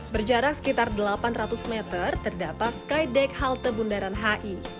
berjarak sekitar delapan ratus meter terdapat skydeck halte bundaran hi